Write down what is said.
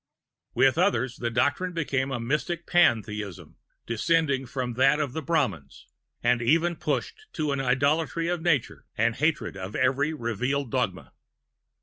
With others the doctrine became a mystic Pantheism, descended from that of the Brahmins, and even pushed to an idolatry of Nature and hatred of every revealed dogma.